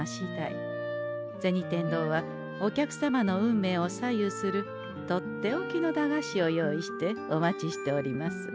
銭天堂はお客様の運命を左右するとっておきの駄菓子を用意してお待ちしております。